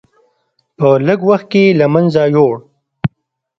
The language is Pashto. په لږ وخت کې له منځه یووړ.